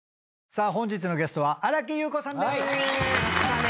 さあ本日のゲストは新木優子さん